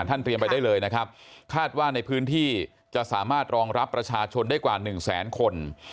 เตรียมไปได้เลยนะครับคาดว่าในพื้นที่จะสามารถรองรับประชาชนได้กว่าหนึ่งแสนคน